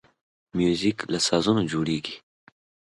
موزیک له سازونو جوړیږي.